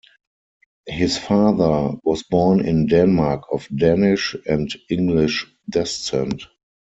His father was born in Denmark of Danish and English descent.